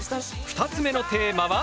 ２つ目のテーマは？